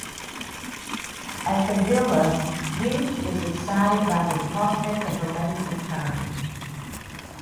At the villa, Jenny is excited by the prospect of her mother's return.